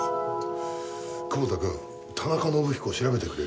久保田君田中伸彦を調べてくれる？